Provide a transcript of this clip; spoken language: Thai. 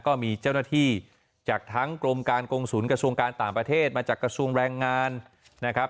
ก็มีเจ้าหน้าที่จากทั้งกรมการกงศูนย์กระทรวงการต่างประเทศมาจากกระทรวงแรงงานนะครับ